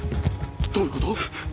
どういうこと？